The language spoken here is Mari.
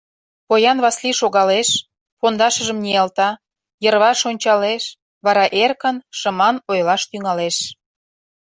Поян Васлий шогалеш, пондашыжым ниялта, йырваш ончалеш, вара эркын, шыман ойлаш тӱҥалеш: